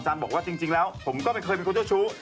บอกว่าจริงแล้วผมก็ไม่เคยเป็นคนเจ้าชู้